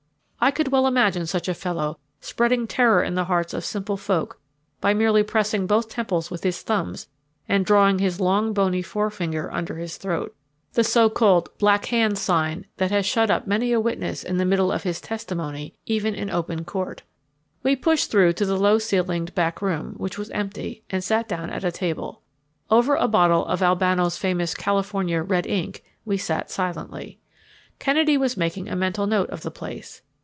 I could well imagine such a fellow spreading terror in the hearts of simple folk by merely pressing both temples with his thumbs and drawing his long bony forefinger under his throat the so called Black Hand sign that has shut up many a witness in the middle of his testimony even in open court. We pushed through to the low ceilinged back room, which was empty, and sat down at a table. Over a bottle of Albano's famous California "red ink" we sat silently. Kennedy was making a mental note of the place.